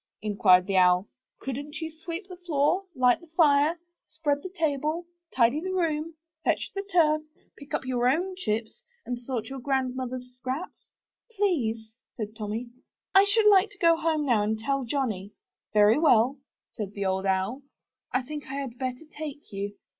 inquired the Owl. "Couldn't you sweep the floor, light the fire, spread the table, tidy 33 MY BOOK HOUSE the room, fetch the turf, pick up your own chips and sort your grandmother's scraps?" *Tlease/' said Tommy, '*I should like to go home now and tell Johnny/' "Very well," said the Old Owl, '^I think I had better take you."